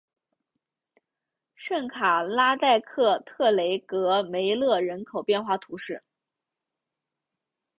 圣卡拉代克特雷戈梅勒人口变化图示